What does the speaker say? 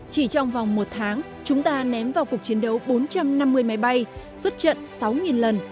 chỉ trong vòng một tháng chúng ta ném vào cuộc chiến đấu bốn trăm năm mươi máy bay xuất trận sáu lần